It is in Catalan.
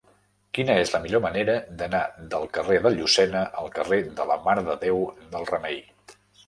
Quina és la millor manera d'anar del carrer de Llucena al carrer de la Mare de Déu del Remei?